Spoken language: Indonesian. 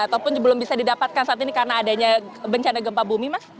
ataupun belum bisa didapatkan saat ini karena adanya bencana gempa bumi mas